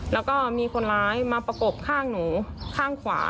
แล้วก็มีคนร้ายมาประกบข้างหนูข้างขวา